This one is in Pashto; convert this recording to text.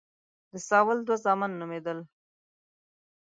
د ساول دوه زامن نومېدل.